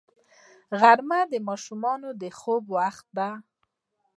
غرمه د ماشومانو د خوب وخت دی